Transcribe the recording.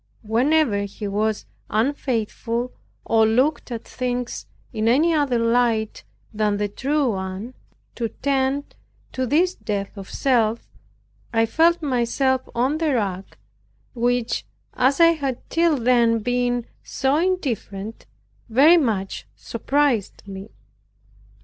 Whenever he was unfaithful, or looked at things in any other light than the true one to tend to this death of self I felt myself on the rack, which, as I had till then been so indifferent, very much surprised me.